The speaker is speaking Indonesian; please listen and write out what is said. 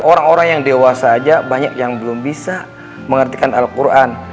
orang orang yang dewasa aja banyak yang belum bisa mengertikan al quran